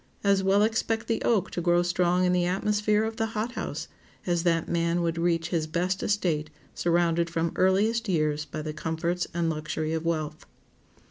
As well expect the oak to grow strong in the atmosphere of the hot house as that man would reach his best estate surrounded from earliest years by the comforts and luxury of wealth.